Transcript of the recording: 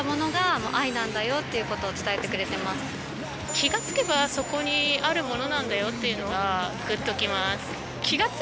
「気が付けばそこにある物」なんだよっていうのがグッときます